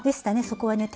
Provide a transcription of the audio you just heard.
そこはね